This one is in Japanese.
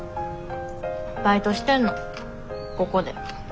バイトしてんのここで。